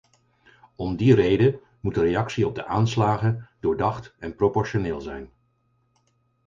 Om die reden moet de reactie op de aanslagen doordacht en proportioneel zijn.